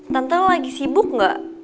tante lo lagi sibuk gak